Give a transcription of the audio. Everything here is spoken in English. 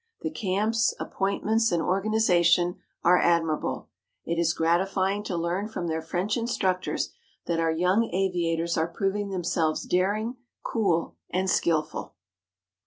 The camps, appointments, and organization are admirable. It is gratifying to learn from their French instructors that our young aviators are proving themselves daring, cool, and skilful."